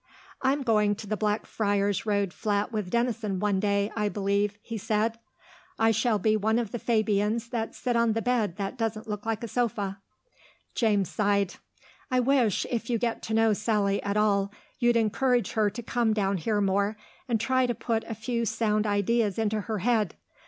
"I'm going to the Blackfriars Road flat with Denison one day, I believe," he said. "I shall be one of the Fabians that sit on the bed that doesn't look like a sofa." James sighed. "I wish, if you get to know Sally at all, you'd encourage her to come down here more, and try to put a few sound ideas into her head.